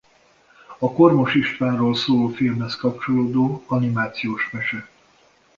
A Kormos Istvánról szóló filmhez kapcsolódó animációs mese.